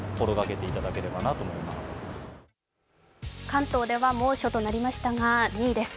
関東では猛暑となりましたが、２位です。